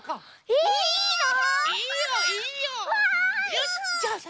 よしじゃあさ